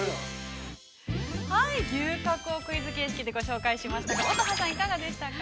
◆はい、牛角をクイズ形式でご紹介しましたけど乙葉さん、いかがでしたか。